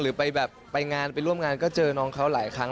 หรือไปงานล่อมงานก็เจอน้องเขาหลายครั้ง